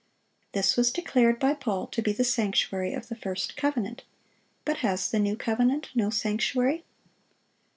This was declared by Paul to be the sanctuary of the first covenant. But has the new covenant no sanctuary?